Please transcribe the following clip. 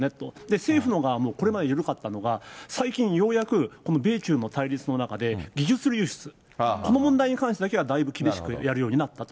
政府の側もこれまで緩かったのが、最近ようやくこの米中の対立の中で技術流出、この問題に関してだけはだいぶ厳しくやるようになったと。